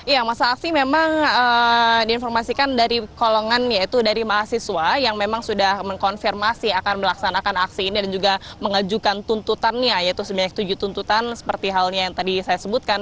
ya masa aksi memang diinformasikan dari kolongan yaitu dari mahasiswa yang memang sudah mengkonfirmasi akan melaksanakan aksi ini dan juga mengajukan tuntutannya yaitu sebanyak tujuh tuntutan seperti halnya yang tadi saya sebutkan